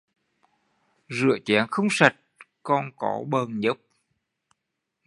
Rửa chén không sạch còn có bợn nhớp